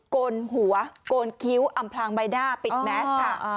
โกนหัวโกนคิ้วอำพลางใบหน้าปิดแมสค่ะ